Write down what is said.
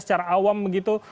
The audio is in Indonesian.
secara awam begitu